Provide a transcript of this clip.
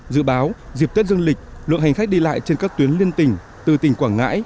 dự báo dịp tết dương lịch lượng hành khách đi lại trên các tuyến liên tỉnh từ tỉnh quảng ngãi